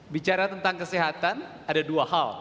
bicara tentang kesehatan ada dua hal